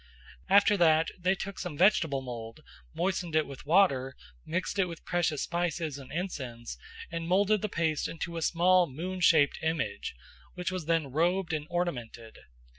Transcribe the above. After that they took some vegetable mould, moistened it with water, mixed it with precious spices and incense, and moulded the paste into a small moon shaped image, which was then robed and ornamented.